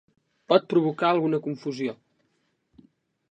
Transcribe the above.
Pot provocar alguna confusió.